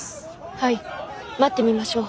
はい待ってみましょう。